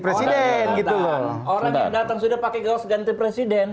orang yang datang sudah pakai gawas ganti presiden